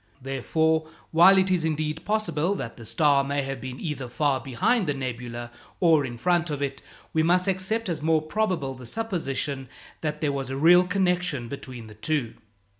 Therefore, while it is, indeed, possible that the star may have been either far behind the nebula or in front of it, we must accept as more probable the supposition that there was a real connection between the two.